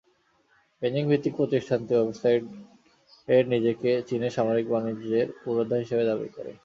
বেইজিংভিত্তিক প্রতিষ্ঠানটি ওয়েবসাইটে নিজেকে চীনের সামরিক বাণিজ্যের পুরোধা হিসেবে দাবি করে।